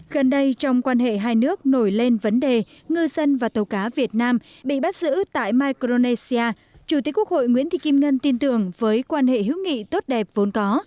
gần đây trong quan hệ hai nước nổi lên vấn đề ngư dân và tàu cá việt nam bị bắt giữ tại micronesia chủ tịch quốc hội nguyễn thị kim ngân tin tưởng với quan hệ hữu nghị tốt đẹp vốn có